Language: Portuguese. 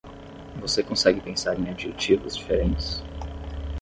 Você consegue pensar em adjetivos diferentes?